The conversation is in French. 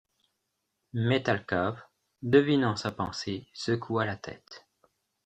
Mais Thalcave, devinant sa pensée, secoua la tête.